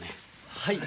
はい。